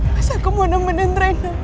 mas aku mau nemenin rena